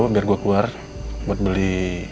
biar gue keluar buat beli